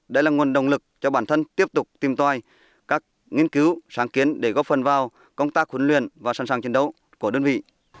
đây là nguồn động lực cho bản thân tiếp tục tìm tòi các nghiên cứu sáng kiến để góp phần vào công tác huấn luyện và sẵn sàng chiến đấu của đơn vị